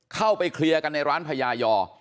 เข้าไปเคลียร์กันในร้านพญายอ